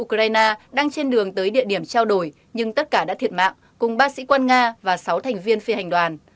ukraine đang trên đường tới địa điểm trao đổi nhưng tất cả đã thiệt mạng cùng ba sĩ quan nga và sáu thành viên phi hành đoàn